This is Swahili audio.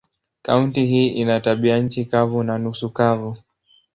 Kaunti hii ina tabianchi kavu na nusu kavu.